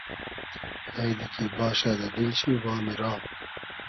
غݷدی کی باشۂ دۂ دیل شی وامی را